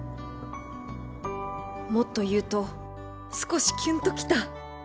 もっと言うと少しきゅんときた。